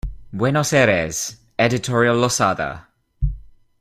Buenos Aires: Editorial Losada.